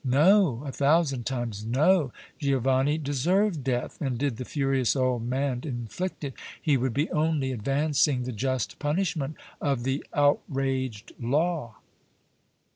No, a thousand times no! Giovanni deserved death, and did the furious old man inflict it, he would be only advancing the just punishment of the outraged law!